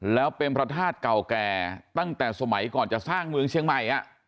แล้วเป็นพระธาตุเก่าแก่ตั้งแต่สมัยก่อนจะสร้างเมืองเชียงใหม่